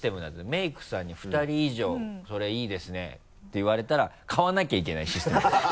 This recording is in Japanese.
メイクさんに２人以上「それいいですね」って言われたら買わなきゃいけないシステムになってる。